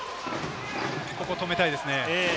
ここ止めたいですね。